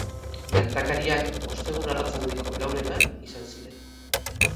Gertakariak ostegun arratsaldeko lauretan izan ziren.